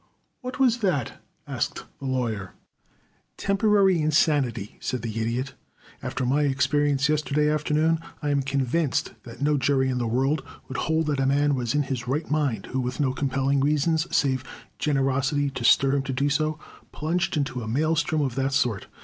"What was that?" asked the Lawyer. "Temporary insanity," said the Idiot. "After my experience yesterday afternoon I am convinced that no jury in the world would hold that a man was in his right mind who, with no compelling reasons save generosity to stir him to do so, plunged into a maelstrom of that sort.